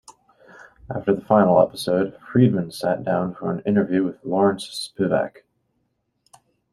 After the final episode, Friedman sat down for an interview with Lawrence Spivak.